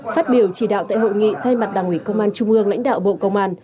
phát biểu chỉ đạo tại hội nghị thay mặt đảng ủy công an trung ương lãnh đạo bộ công an